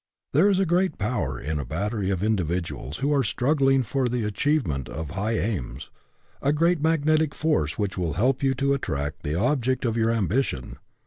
There is a great power in a battery of indi viduals who are struggling for the achieve ment of high aims, a great magnetic force which will help you to attract the object of your ambition.